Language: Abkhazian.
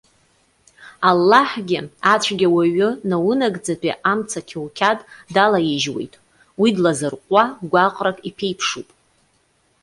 Аллаҳгьы ацәгьауаҩы, наунагӡатәи амца қьоуқьад далаижьуеит. Уи длазырҟәуа гәаҟрак иԥеиԥшуп.